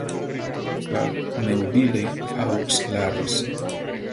La Neuville-aux-Larris